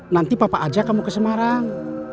nanti papa aja kamu ke semarang